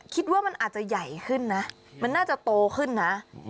คิดว่ามันอาจจะใหญ่ขึ้นนะมันน่าจะโตขึ้นนะ